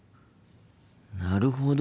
なるほど。